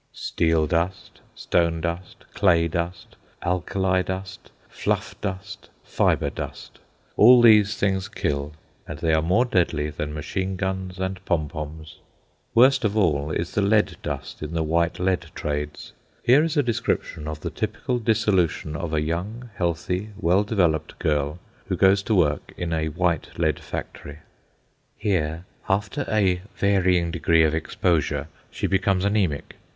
Steel dust, stone dust, clay dust, alkali dust, fluff dust, fibre dust—all these things kill, and they are more deadly than machine guns and pom poms. Worst of all is the lead dust in the white lead trades. Here is a description of the typical dissolution of a young, healthy, well developed girl who goes to work in a white lead factory:— Here, after a varying degree of exposure, she becomes anæmic.